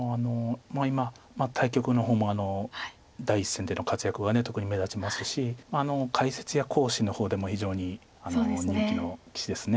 今対局の方も第一線での活躍は特に目立ちますし解説や講師の方でも非常に人気の棋士ですね。